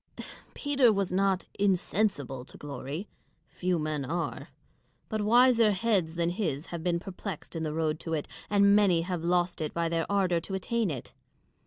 Peter was not insensible to glory ; few men are : but wiser heads than his have been perplexed in the road to it, and many have lost it by their ardour to attain it.